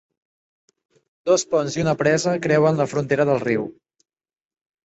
Dos ponts i una presa creuen la frontera del riu.